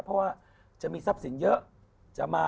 เพราะว่าจะมีทรัพย์สินเยอะจะมา